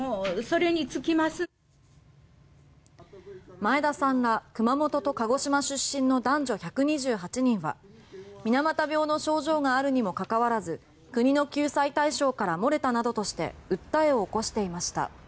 前田さんら熊本と鹿児島出身の男女１２８人は水俣病の症状があるにもかかわらず国の救済対象から漏れたなどとして訴えを起こしていました。